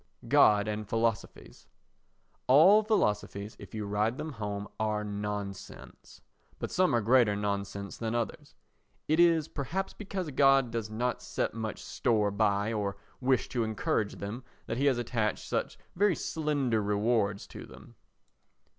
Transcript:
God and Philosophies All philosophies, if you ride them home, are nonsense; but some are greater nonsense than others. It is perhaps because God does not set much store by or wish to encourage them that he has attached such very slender rewards to them.